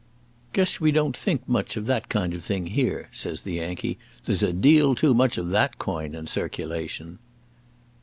"Guess we don't think much of that kind of thing here," says the Yankee. "There's a deal too much of that coin in circulation."